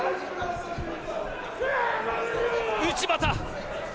内股！